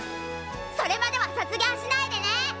それまでは卒業しないでね！